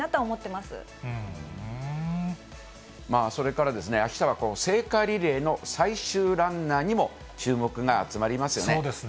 まあそれからですね、あしたは聖火リレーの最終ランナーにも注目が集まりますよね。